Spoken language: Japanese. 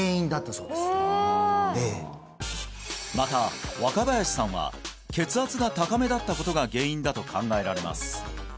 ええまた若林さんは血圧が高めだったことが原因だと考えられます